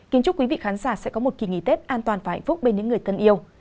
kính chúc quý vị khán giả sẽ có một kỳ nghỉ tết an toàn và hạnh phúc bên những người thân yêu